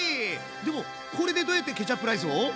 でもこれでどうやってケチャップライスを？